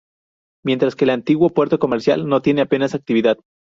Mientras que el antiguo puerto comercial no tiene apenas actividad.